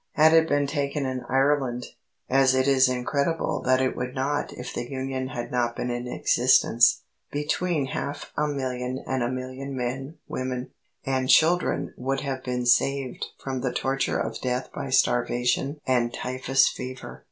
Had it been taken in Ireland as it is incredible that it would not if the Union had not been in existence between half a million and a million men, women, and children would have been saved from the torture of death by starvation and typhus fever.